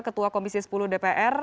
ketua komisi sepuluh dpr